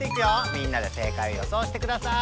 みんなで正解をよそうしてください。